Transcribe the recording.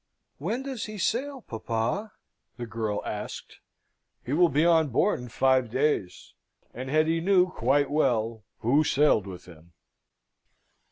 "When does he sail, papa?" the girl asked. "He will be on board in five days." And Hetty knew quite well who sailed with him.